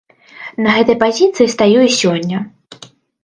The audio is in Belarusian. На гэтай пазіцыі стаю і сёння.